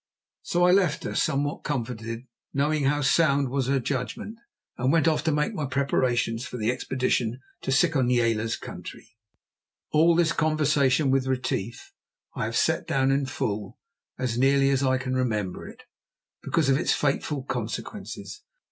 So I left her somewhat comforted, knowing how sound was her judgment, and went off to make my preparations for the expedition to Sikonyela's country. All this conversation with Retief I have set down in full, as nearly as I can remember it, because of its fateful consequences.